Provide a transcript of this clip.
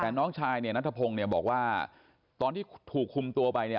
แต่น้องชายเนี่ยนัทพงศ์บอกว่าตอนที่ถูกคุมตัวไปเนี่ย